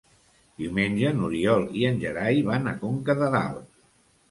Diumenge n'Oriol i en Gerai van a Conca de Dalt.